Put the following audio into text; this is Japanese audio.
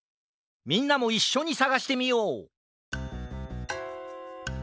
みんなもいっしょにさがしてみよう！